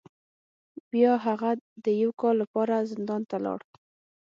بیا هغه د یو کال لپاره زندان ته لاړ.